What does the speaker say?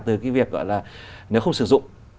từ cái việc gọi là nếu không sử dụng